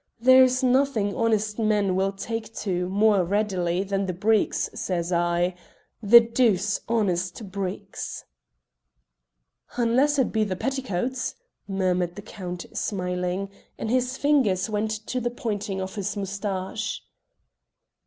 There's nothing honest men will take to more readily than the breeks, says I the douce, honest breeks " "Unless it be the petticoats," murmured the Count, smiling, and his fingers went to the pointing of his moustache.